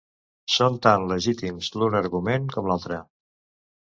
Són tan legítims l’un argument com l’altre.